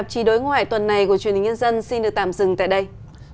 tạp chí đối ngoại tuần này của truyền hình nhân dân xin được tạm dừng tại đây